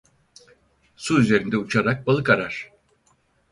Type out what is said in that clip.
Su üzerinde uçarak balık arar.